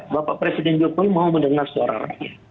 bapak presiden jokowi mau mendengar suara rakyat